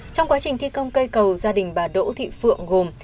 trong quá trình thi công cây cầu gia đình bà đỗ thị phượng gồm